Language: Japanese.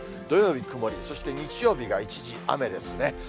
土曜日曇り、そして日曜日が一時雨ですね。